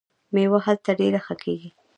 میوه هلته ډیره ښه کیږي.